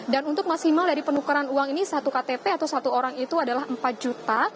dan untuk masimal dari penukaran uang ini satu ktp atau satu orang itu adalah empat juta